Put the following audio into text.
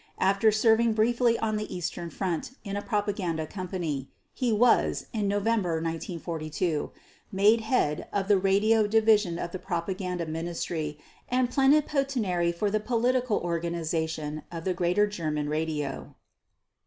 After serving briefly on the Eastern Front in a propaganda company, he was, in November 1942, made head of the Radio Division of the Propaganda Ministry and Plenipotentiary for the Political Organization of the Greater German Radio.